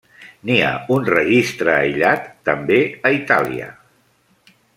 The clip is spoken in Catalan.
N'hi ha un registre aïllat també a Itàlia.